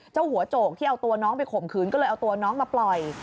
เจ้าหัวโจกที่เอาตัวน้องไปข่มขืนก็เลยเอาตัวน้องมาปล่อย